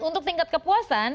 untuk tingkat kepuasan